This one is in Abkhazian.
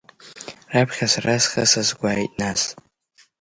Раԥхьа сара схы сазгәааит, нас…